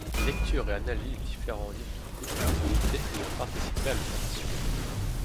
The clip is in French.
Lecture et analyse des différents livres de route des unités ayant participé à l'opération.